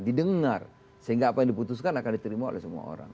didengar sehingga apa yang diputuskan akan diterima oleh semua orang